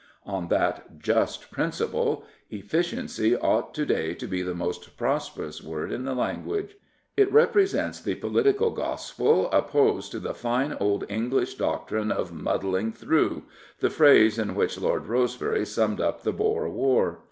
On that just principle, " efficiency " ought to day to be the most prosperous word in the language. It represents the political gospel opposed to the fine old English doctrine of " muddling through," the phrase in which Lord Rose bery summed up the Boer War.